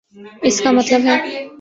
اس کا مطلب ہے۔